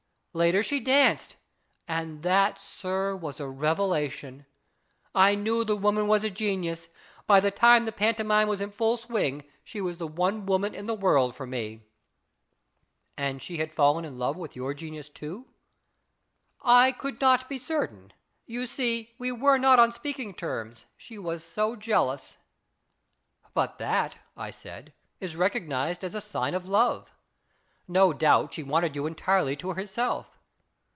Later she danced, and that, sir, was a revelation. I knew the woman was a genius. By the time the pantomime was in full swing, she was the one woman in the world for me." "Arid she had fallen in love with your genius, too ?"" I could not be certain. You see, we 256 IS IT A MAN? were not on speaking terms ; she was so jealous." " But that," I said, " is recognized as a sign of love. No doubt, she wanted you entirely to herself.